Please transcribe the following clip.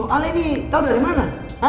al ini tau dari mana